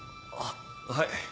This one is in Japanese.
あっはい。